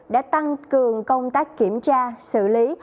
đã tăng cường công tác kiểm tra xử lý